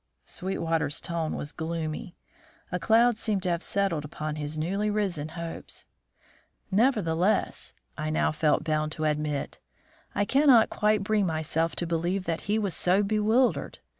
Sweetwater's tone was gloomy; a cloud seemed to have settled upon his newly risen hopes. "Nevertheless," I now felt bound to admit, "I cannot quite bring myself to believe that he was so bewildered.